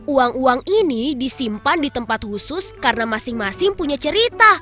uang uang ini disimpan di tempat khusus karena masing masing punya cerita